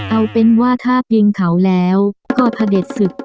เอาเป็นว่าถ้าพิงเขาแล้วก็พระเด็จศึก